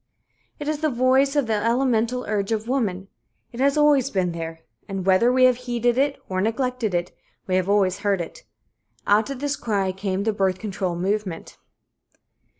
It is the voice of the elemental urge of woman it has always been there; and whether we have heeded it or neglected it, we have always heard it. Out of this cry came the birth control movement.